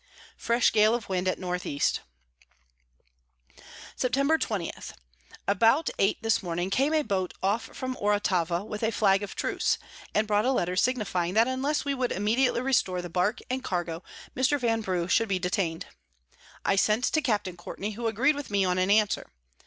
Fresh Gale of Wind at N E. Sept. 20. About eight this Morning came a Boat off from Oratava with a Flag of Truce, and brought a Letter signifying that unless we would immediately restore the Bark and Cargo, Mr. Vanbrugh should be detain'd. I sent to Capt. Courtney, who agreed with me on an Answer.